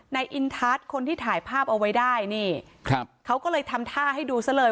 อินทัศน์คนที่ถ่ายภาพเอาไว้ได้นี่ครับเขาก็เลยทำท่าให้ดูซะเลย